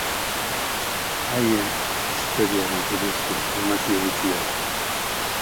Haien historiari buruzko informazio gutxi dago.